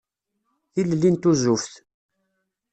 Tilelli n tuzzuft.